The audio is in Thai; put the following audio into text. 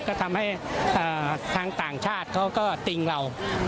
ก็ทำให้ทางต่างชาติเขาก็ติงเรา